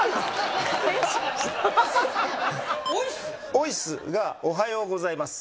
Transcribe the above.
「おいす」がおはようございます。